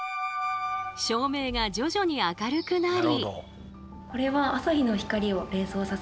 照明が徐々に明るくなり。